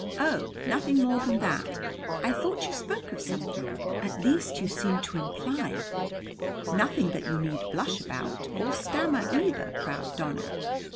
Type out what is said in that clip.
"Oh, nothing more than that. I thought you spoke of something at least you seemed to imply " "Nothing that you need blush about, nor stammer either, proud Donna.